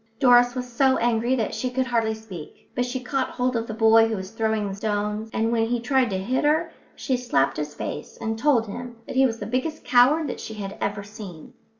Doris was so angry that she could hardly speak, but she caught hold of the boy who was throwing stones, and when he tried to hit her she slapped his face and told him that he was the biggest coward that she had ever seen.